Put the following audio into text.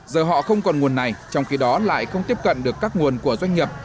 giờ họ không còn nguồn này trong khi đó lại không tiếp cận được các nguồn của doanh nghiệp